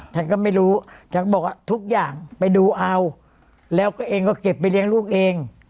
ฉันก็ไม่รู้ฉันบอกว่าทุกอย่างไปดูเอาแล้วก็เองก็เก็บไปเลี้ยงลูกเอง